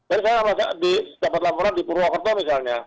jadi saya dapat laporan di purwokerto misalnya